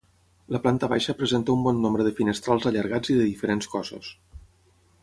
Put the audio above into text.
La planta baixa presenta un bon nombre de finestrals allargats i de diferents cossos.